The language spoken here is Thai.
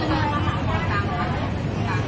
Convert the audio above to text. สวัสดีครับคุณพลาด